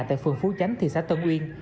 tại phường phú chánh thị xã tân uyên